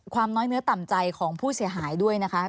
น้อยเนื้อต่ำใจของผู้เสียหายด้วยนะคะ